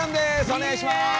お願いします！